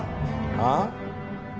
ああ？